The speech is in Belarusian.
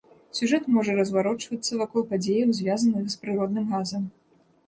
Сюжэт можа разварочвацца вакол падзеяў, звязаных з прыродным газам.